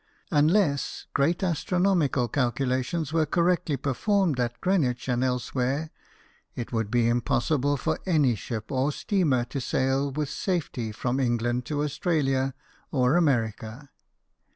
Unless great astronomical calculations were correctly performed at Greenwich and elsewhere, it would be impossible for any ship or steamer to sail with safety from England to Australia or America.